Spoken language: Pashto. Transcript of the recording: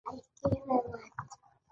د غرمې دولس بجو ته لږ وخت و.